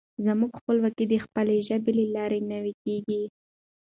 زموږ خپلواکي د خپلې ژبې له لارې نوي کېږي.